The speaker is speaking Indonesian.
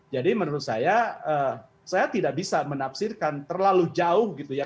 jadi menurut saya saya tidak bisa menafsirkan terlalu jauh gitu ya